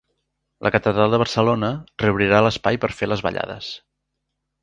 La Catedral de Barcelona reobrirà l'espai per fer les ballades